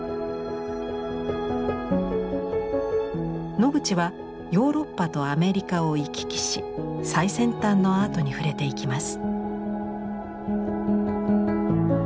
ノグチはヨーロッパとアメリカを行き来し最先端のアートに触れていきます。